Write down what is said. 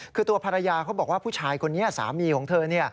คือตัวภรรยาเขาบอกว่าผู้ชายคนนี้สามีของเธอ